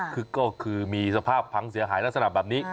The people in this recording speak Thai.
ก็คือมีสภาพพังเสียหายและสนามแบบนี้